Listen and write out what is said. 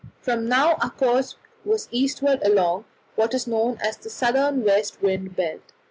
From now our course was eastward along what is known as the southern west wind belt.